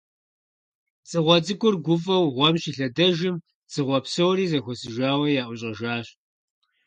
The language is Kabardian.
Дзыгъуэ цӀыкӀур гуфӀэу гъуэм щилъэдэжым, дзыгъуэ псори зэхуэсыжауэ яӀущӀэжащ.